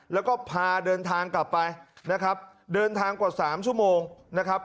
แล้วก็พาเดินทางกลับไปนะครับเดินทางกว่าสามชั่วโมงนะครับ